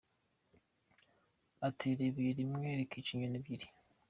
Atera ibuye rimwe rikica inyoni ebyiri.